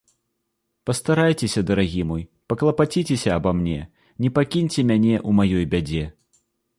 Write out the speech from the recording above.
Пастарайцеся, дарагі мой, паклапаціцеся аба мне, не пакіньце мяне ў маёй бядзе.